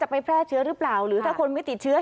ไปแพร่เชื้อหรือเปล่าหรือถ้าคนไม่ติดเชื้อ